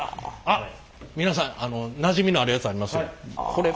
あっ皆さんあのなじみのあるやつありますよ。